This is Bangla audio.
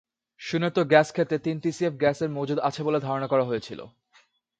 সুনেত্র গ্যাসক্ষেত্রেও তিন টিসিএফ গ্যাসের মজুত আছে বলে ধারণা করা হয়েছিল।